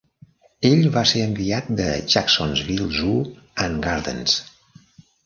Ell va ser enviat de Jacksonville Zoo and Gardens.